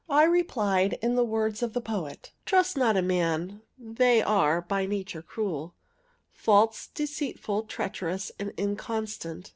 I replied in the words of the poet, "Trust not a man; they are by nature cruel, False, deceitful, treacherous, and inconstant.